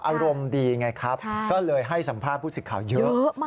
อารมณ์ดีไงครับก็เลยให้สัมภาษณ์ผู้สิทธิ์ข่าวเยอะ